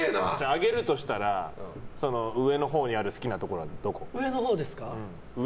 挙げるとしたら上のほうにある好きなところはどこ？